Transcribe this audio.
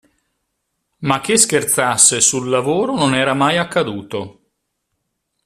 Ma che scherzasse sul lavoro non era mai accaduto.